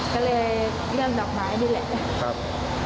ก็เลยเรื่องดอกไม้นี่แหละ